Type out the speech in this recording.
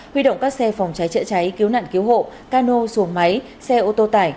huy động các xe phòng cháy chữa cháy cứu nạn cứu hộ cano xuồng máy xe ô tô tải